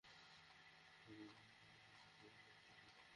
অর্থাৎ এখন থেকে নতুন মুঠোফোন সংযোগ কেনার ক্ষেত্রে এনআইডিই ব্যবহার করতে হবে।